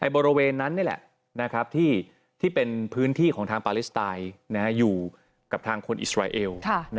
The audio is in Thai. บริเวณนั้นนี่แหละที่เป็นพื้นที่ของทางปาเลสไตน์อยู่กับทางคนอิสราเอล